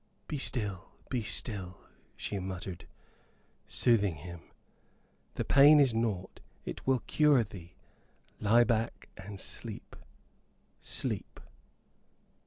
"Be still, be still," she muttered, soothing him. "The pain is naught, it will cure thee lie back and sleep sleep."